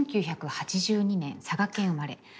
１９８２年佐賀県生まれ。